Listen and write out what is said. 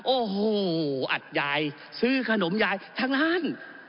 โอ้โหอัดยายซื้อขนมยายทั้งร้าน